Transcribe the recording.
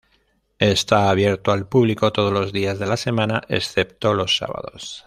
Está abierto al público todos los días de la semana excepto los sábados.